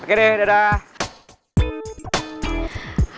oke deh dadah